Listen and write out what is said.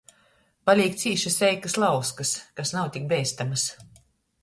Palīk cīši seikys lauskys, kas nav tik beistamys.